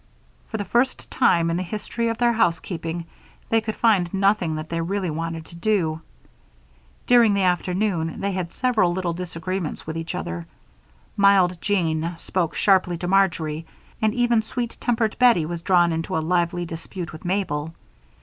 For the first time in the history of their housekeeping, they could find nothing that they really wanted to do. During the afternoon they had several little disagreements with each other. Mild Jean spoke sharply to Marjory, and even sweet tempered Bettie was drawn into a lively dispute with Mabel.